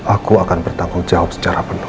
aku akan bertanggung jawab secara penuh